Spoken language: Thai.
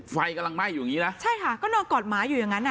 ไฟกำลังไหม้อยู่อย่างงี้นะใช่ค่ะก็นอนกอดหมาอยู่อย่างนั้นอ่ะ